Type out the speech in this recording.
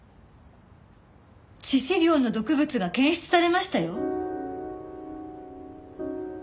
致死量の毒物が検出されましたよ。